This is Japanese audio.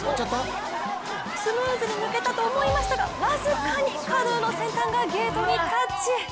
スムーズに抜けたと思いましたが僅かにカヌーの先端がゲートにタッチ。